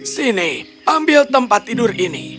sini ambil tempat tidur ini